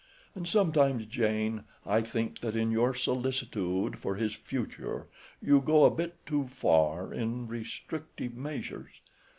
And sometimes, Jane, I think that in your solicitude for his future you go a bit too far in your restrictive measures.